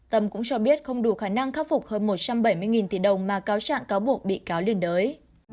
tâm cũng cho biết không đủ khả năng khắc phục hơn một trăm bảy mươi tỷ đồng mà cáo trạng cáo buộc bị cáo liên đới